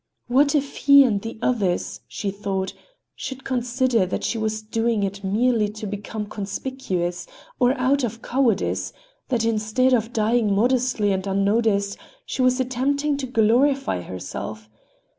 What if he and the others, she thought, should consider that she was doing it merely to become conspicuous, or out of cowardice, that instead of dying modestly and unnoticed, she was attempting to glorify herself.